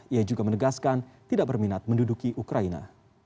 ia juga menegaskan tidak berminat menduduki ukraina